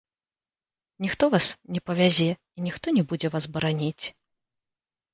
Ніхто вас не павязе і ніхто не будзе вас бараніць.